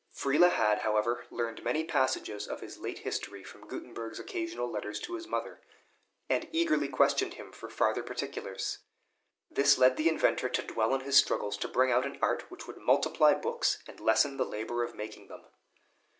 Friele had, however, learned many passages of his late history from Gutenberg's occasional letters to his mother, and eagerly questioned him for farther particulars. This led the inventor to dwell on his struggles to bring out an art which would multiply books, and lessen the labor of making them.